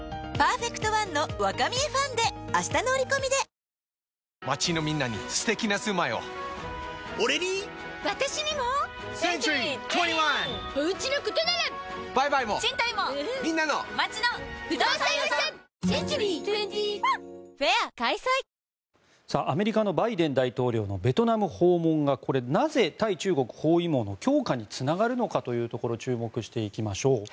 そんな中、Ｇ２０に出席していたアメリカのバイデン大統領のベトナム訪問がなぜ対中包囲網の強化につながるのかというところ注目していきましょう。